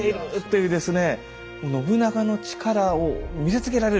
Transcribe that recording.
そうですね。